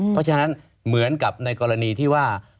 เพราะฉะนั้นเหมือนกับในกรณีที่ว่า